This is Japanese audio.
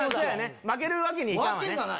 負けるわけにいかんわね。